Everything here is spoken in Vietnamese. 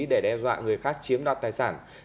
để đe dọa người khác chiếm đoạt tài sản